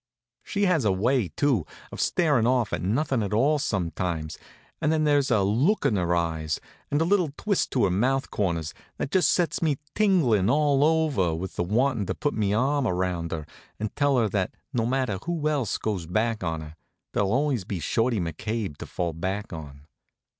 She has a way, too, of starin' off at nothin' at all, sometimes, and then there's a look in her eyes, and a little twist to her mouth corners, that just sets me tinglin' all over with the wantin' to put me arm around her and tell her that no matter who else goes back on her, there'll always be Shorty McCabe to fall back on.